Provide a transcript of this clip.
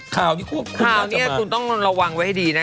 ข่าวนี้คุณต้องระวังไว้ให้ดีนะ